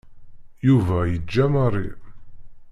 Yuba yeǧǧa Mary.